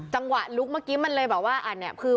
จังหวะลุกเมื่อกี้บอกว่าอันนี้